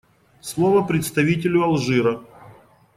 Слово представителю Алжира.